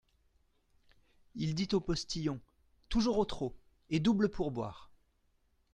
Il dit au postillon : Toujours au trot, et double pourboire.